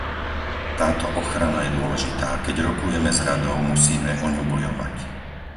Táto ochrana je dôležitá a keď rokujeme s Radou, musíme o ňu bojovať.